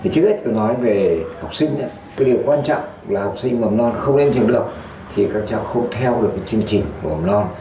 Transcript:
trước hết tôi nói về học sinh điều quan trọng là học sinh của ẩm non không đem trường được thì các trang không theo được chương trình của ẩm non